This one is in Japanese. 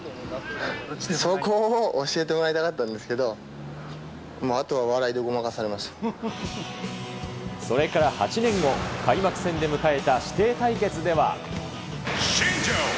そこを教えてもらいたかったんですけど、あとは笑いでごまかされそれから８年後、開幕戦で迎えた師弟対決では。